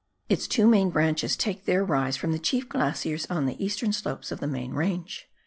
Its two main branches take their rise from the chief glaciers on the eastern slopes of the main range.